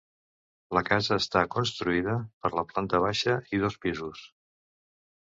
La casa està construïda per la planta baixa i dos pisos.